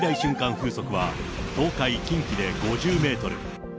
風速は、東海、近畿で５０メートル。